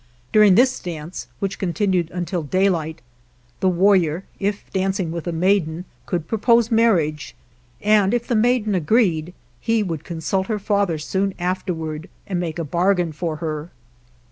During this dance, which con tinued until daylight, the warrior (if danc ing with a maiden) could propose 1 mar riage, and if the maiden agreed, he would consult her father soon afterward and make a bargain for her.